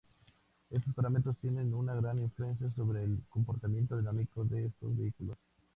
Estos parámetros tienen una gran influencia sobre el comportamiento dinámico de estos vehículos.